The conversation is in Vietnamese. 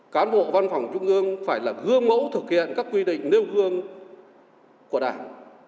cán bộ văn phòng trung ương phải là gương mẫu thực hiện các quy định nêu gương của đảng